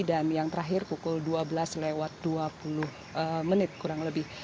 dan yang terakhir pukul dua belas lewat dua puluh menit kurang lebih